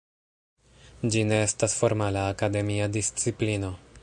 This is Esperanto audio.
Ĝi ne estas formala akademia disciplino.